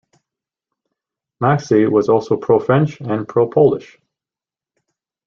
Maxse was also pro-French and pro-Polish.